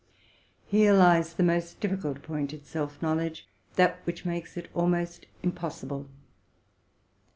Here lies the most diffi cult point in self knowledge, that which makes it almost im possible.